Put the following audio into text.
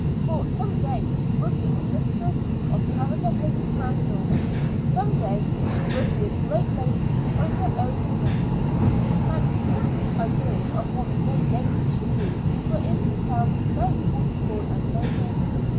For some day she would be mistress of Carrigrohane Castle; some day she would be a great lady on her own account. Now Kathleen's ideas of what a great lady should be were in themselves very sensible and noble.